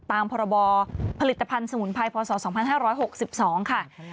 ตามพรบผลิตภัณฑ์สมุนไพรพศ๒๕๖๒ค่ะ